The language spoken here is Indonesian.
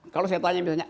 kalau saya tanya misalnya